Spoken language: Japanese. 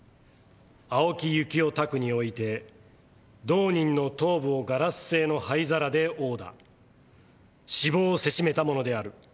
青木由紀男宅において同人の頭部をガラス製の灰皿で殴打死亡せしめたものである。